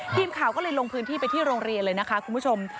ทีมข่าวก็เลยลงพื้นที่ไปที่โรงเรียนเลยนะคะคุณผู้ชม